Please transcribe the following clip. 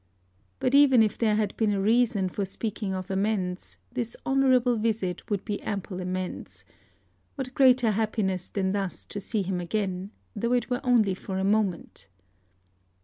But even if there had been a reason for speaking of amends, this honorable visit would be ample amends; what greater happiness than thus to see him again, though it were only for a moment?